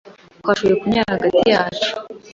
Twashoboye kunyura hagati yacu.